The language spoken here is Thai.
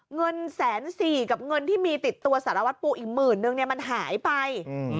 เงินแสนสี่กับเงินที่มีติดตัวสารวัตรปูอีกหมื่นนึงเนี่ยมันหายไป